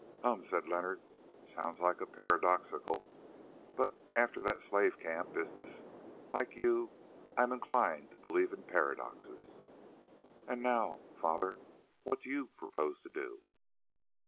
"Hum!" said Leonard, "sounds a little paradoxical, but after that slave camp business, like you I am inclined to believe in paradoxes. And now, Father, what do you propose to do?"